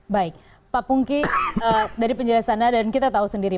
baik pak pungki dari penjelasannya dan kita tahu sendiri